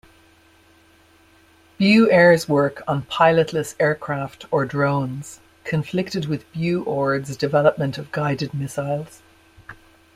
BuAer's work on "pilotless aircraft," or drones, conflicted with BuOrd's development of guided missiles.